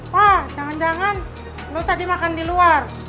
wah jangan jangan lo tadi makan di luar